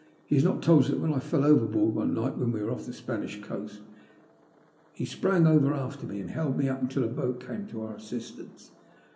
He has not told you that when I fell over board one night, when we were off the Spanish coast, he sprang over after me and held me up until a boat came to our assistance.